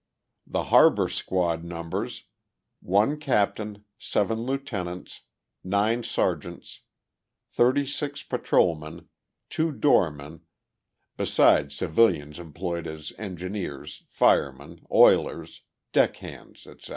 The Harbor Squad numbers: 1 Captain, 7 Lieutenants, 9 Sergeants, 36 Patrolmen, 2 Doormen, besides civilians employed as engineers, firemen, oilers, deck hands, etc.